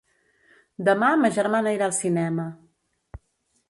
Demà ma germana irà al cinema.